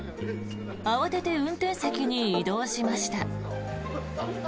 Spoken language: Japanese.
慌てて運転席に移動しました。